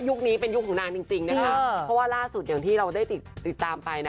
ยุคนี้เป็นยุครงนางจริงเพราะว่าล่าสุดที่เราได้ติดตามไป